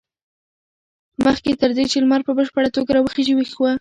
مخکې تر دې چې لمر په بشپړه توګه راوخېژي ویښ و.